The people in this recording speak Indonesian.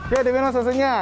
ya demin lah susu ini ya